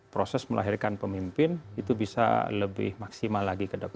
proses melahirkan pemimpin itu bisa lebih maksimal lagi ke depan